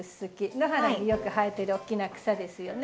野原によく生えてる大きな草ですよね。